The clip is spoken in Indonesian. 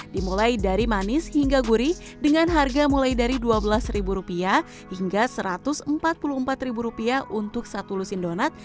dimulai dari manis hingga gurih dengan harga mulai dari rp dua belas hingga rp satu ratus empat puluh empat untuk satu lusin donat